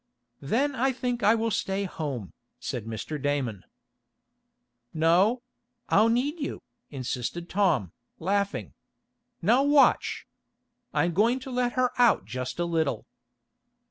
"Then I think I will stay home," said Mr. Damon. "No; I'll need you," insisted Tom, laughing. "Now watch. I'm going to let her out just a little."